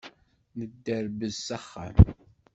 Nedderbez s axxam.